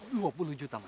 dua puluh juta mas